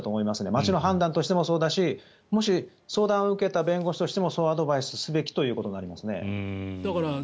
町の判断としてもそうだしもし相談を受けた弁護士もそうアドバイスすべきだとなりますね。